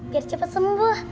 biar cepet sembuh